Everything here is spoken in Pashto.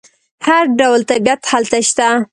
هر ډول طبیعت هلته شته.